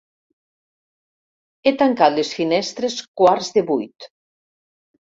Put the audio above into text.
He tancat les finestres quarts de vuit.